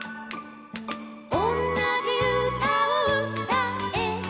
「おんなじうたをうたえば」